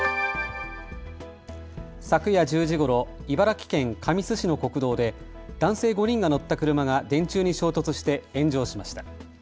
昨夜１０時ごろ、茨城県神栖市の国道で男性５人が乗った車が電柱に衝突して炎上しました。